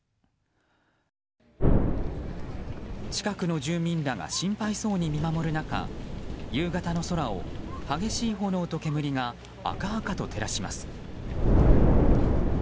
近くの住民らが心配そうに見守る中夕方の空を激しい炎と煙が赤々と照らします。